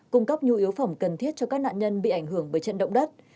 cung cấp nhu yếu phẩm cần thiết cho các nạn nhân bị ảnh hưởng bởi trận động đất